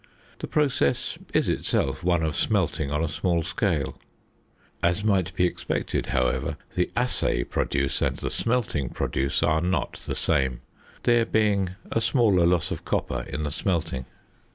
The process is itself one of smelting on a small scale. As might be expected, however, the assay produce and the smelting produce are not the same, there being a smaller loss of copper in the smelting.